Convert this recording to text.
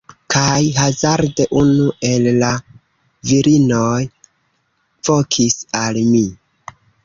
Kaj hazarde unu el la virinoj vokis al mi